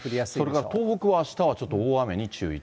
それから東北はあしたはちょっと大雨に注意と。